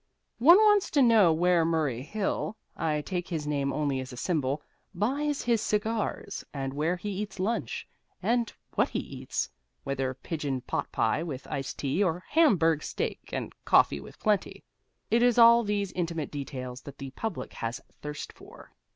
One wants to know where Murray Hill (I take his name only as a symbol) buys his cigars, and where he eats lunch, and what he eats, whether pigeon potpie with iced tea or hamburg steak and "coffee with plenty." It is all these intimate details that the public has thirst for.